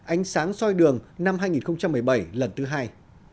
ánh sáng soi đường năm hai nghìn một mươi bảy lần thứ hai